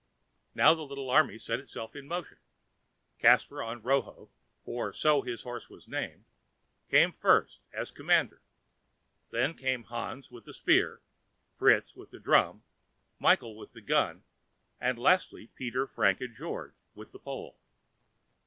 Now the little army set itself in motion. Caspar on "Roho" (for so his horse was named) came first, as commander; then came Hans with the spear, Fritz with the drum, Michael with the gun, and lastly, Peter, Frank, and George, with the pole.